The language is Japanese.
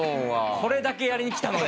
これだけやりに来たので。